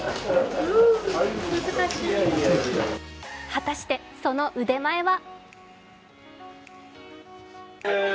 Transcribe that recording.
果たして、その腕前は？